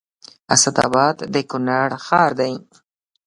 اسداباد د کونړ ښار دی